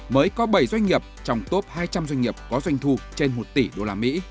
mới có bảy doanh nghiệp trong top hai trăm linh doanh nghiệp có doanh thu trên một tỷ usd